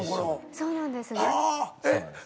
そうなんですね。